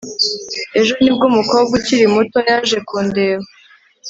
Ejo nibwo umukobwa ukiri muto yaje kundeba